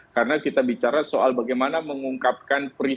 karena kita bicara soal bagaimana mengungkapkan prinsipnya